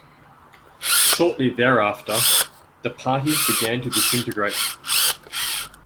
Shortly thereafter the party began to disintegrate.